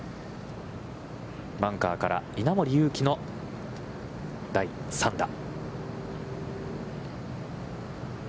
バンカーから稲森佑貴の第３打。